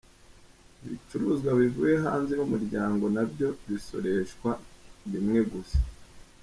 Ibicuruzwa bivuye hanze y’Umuryango na byo bisoreshwa rimwe gusa.